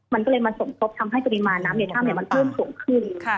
มันก็เลยมาสมทบทำให้ปริมาณน้ำในถ้ำมันเพิ่มสูงขึ้น